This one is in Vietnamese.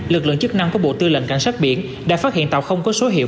lực lượng chức năng của bộ tư lệnh cảnh sát biển đã phát hiện tàu không có số hiệu